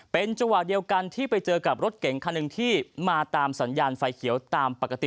เป็นจังหวะเดียวกันที่ไปเจอกับรถเก่งคันหนึ่งที่มาตามสัญญาณไฟเขียวตามปกติ